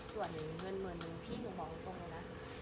ส่วนหนึ่งเงินเหมือนหนึ่งพี่หนูบอกตรงนะ